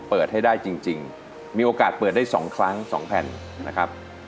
เปิดให้ได้จริงมีโอกาสเปิดได้๒ครั้ง๒แผ่นนะครับ